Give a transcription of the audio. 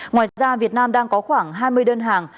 ngoài ra việt nam đang có khoảng hai mươi đơn hàng